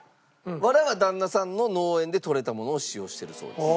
ワラは旦那さんの農園でとれたものを使用しているそうです。